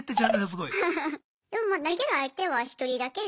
でもまあ投げる相手は１人だけです。